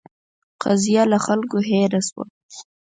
قضیه له خلکو هېره شوه.